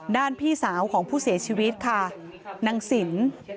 พี่สาวของผู้เสียชีวิตค่ะนางสิน